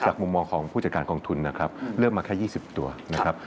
จากมุมมองของผู้จัดการกองทุนเลือกมาแค่๒๐ตัวนะครับ